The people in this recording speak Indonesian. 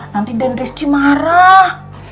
nanti den rizky marah